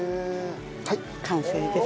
はい完成です。